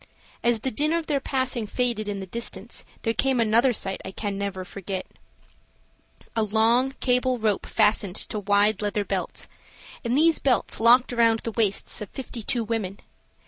As the din of their passing faded in the distance there came another sight I can never forget: A long cable rope fastened to wide leather belts, and these belts locked around the waists of fifty two women.